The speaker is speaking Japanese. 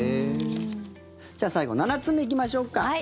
さあ、最後７つ目行きましょうか。